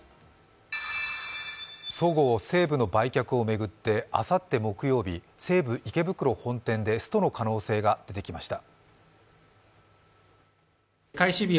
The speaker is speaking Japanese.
そごう・西武の売却を巡ってあさって木曜日、西武池袋本店でストの可能性が出てきました。